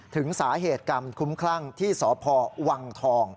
ถึงสาเหตุกรรมคุ้มคลั่งที่สพวังทอง